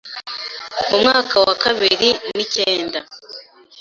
mu mwaka wa bibiri n’icyenda